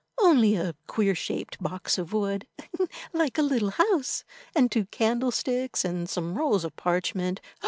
"Only a queer shaped box of wood like a little house, and two candlesticks, and some rolls of parchment.